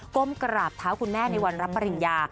ก้มกราบเท้าคุณแม่ในวันรับปริญญา